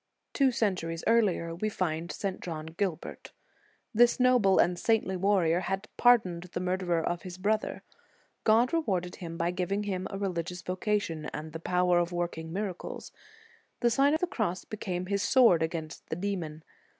Two centuries earlier we find St. John Gualbert. This noble and saintly warrior had pardoned the murderer of his brother. God rewarded him by giving him a religious voca tion, and the power of working miracles. The Sign of the Cross became his sword against the demon.